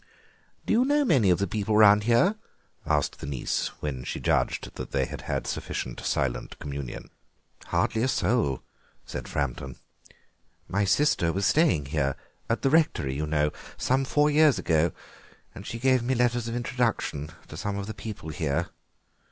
"Do you know many of the people round here?" asked the niece, when she judged that they had had sufficient silent communion. "Hardly a soul," said Framton. "My sister was staying here, at the rectory, you know, some four years ago, and she gave me letters of introduction to some of the people here."